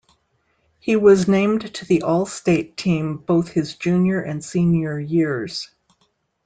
He was named to the All-State team both his junior and senior years.